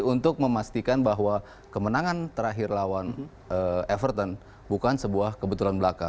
untuk memastikan bahwa kemenangan terakhir lawan everton bukan sebuah kebetulan belaka